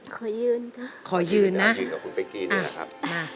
ขอยืนค่ะขอยืนนะยืนกับคุณเป๊กกี้นี่แหละครับ